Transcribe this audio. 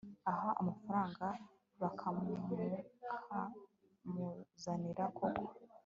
uha amafaranga bakamukuzanira koko